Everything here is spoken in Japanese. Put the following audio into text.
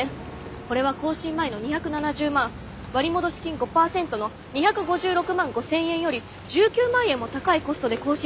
これは更新前の２７０万割戻金５％の２５６万５，０００円より１９万円も高いコストで更新されています。